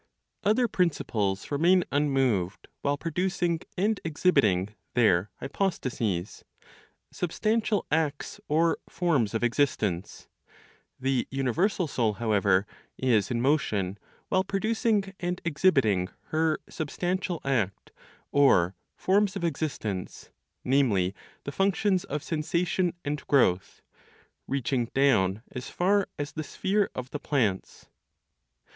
Other principles remain unmoved while producing and exhibiting their ("hypostases," substantial acts, or) forms of existence. The (universal) Soul, however, is in motion while producing and exhibiting her ("substantial act," or) forms of existence, namely, the functions of sensation and growth, reaching down as far as (the sphere of the) plants.